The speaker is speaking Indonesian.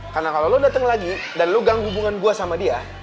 karena kalau lo datang lagi dan lo ganggu hubungan gue sama dia